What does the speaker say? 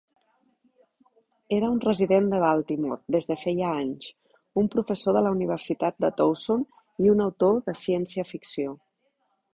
Era un resident de Baltimore des de feia anys, un professor de la Universitat de Towson i un autor de ciència ficció.